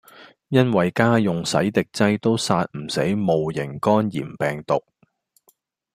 因為家用洗滌劑都殺唔死戊型肝炎病毒